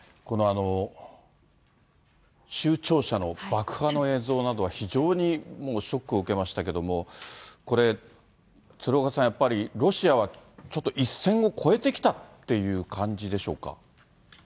この州庁舎の爆破の映像などは、非常にショックを受けましたけれども、これ、鶴岡さん、やっぱり、ロシアはちょっと一線を越えてきたっていう感じでしょうか。